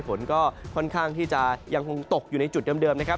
ฝนก็ค่อนข้างที่จะยังคงตกอยู่ในจุดเดิมนะครับ